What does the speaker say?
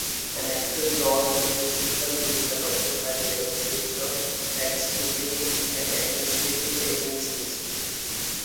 Enacted law includes legal rules adopted by the legislature, the executive and administrative agencies.